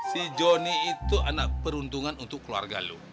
si joni itu anak peruntungan untuk keluarga lo